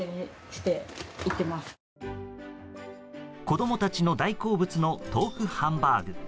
子供たちの大好物の豆腐ハンバーグ。